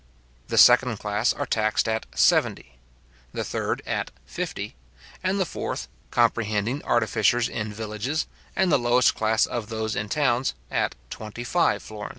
The second class are taxed at seventy; the third at fifty; and the fourth, comprehending artificers in villages, and the lowest class of those in towns, at twenty five florins.